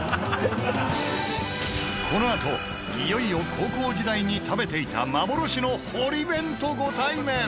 このあといよいよ高校時代に食べていた幻の堀弁とご対面！